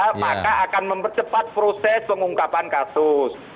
maka akan mempercepat proses pengungkapan kasus